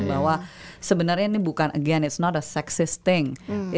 bahwa sebenarnya ini bukan again it s not a sexist thing